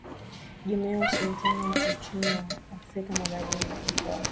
jumuiya ya ushirikiano wa kiuchumi wa afrika magharibi ecowas